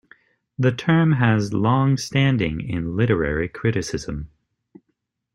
The term has long standing in literary criticism.